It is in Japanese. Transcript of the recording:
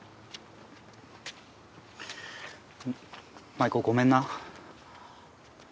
麻衣子ごめんな。